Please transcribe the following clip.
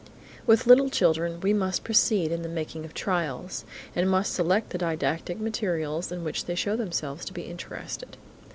With little children, we must proceed to the making of trials, and must select the didactic materials in which they show themselves to be interested.